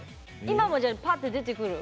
今もじゃパッと出てくる？